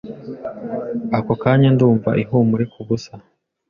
Ako kanya, ndumva ihumure kubusa